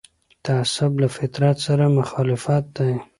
تعصب له فطرت سره مخالف دی